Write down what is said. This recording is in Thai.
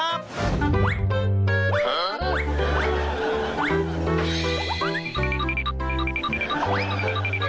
โอ้ไม่